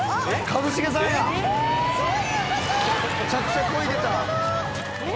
むちゃくちゃこいでた！